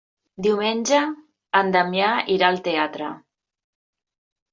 Diumenge en Damià irà al teatre.